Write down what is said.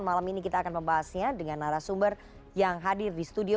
malam ini kita akan membahasnya dengan narasumber yang hadir di studio